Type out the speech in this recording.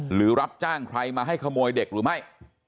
หรือรับจ้างใครมาให้ขโมยเด็กหรือไม่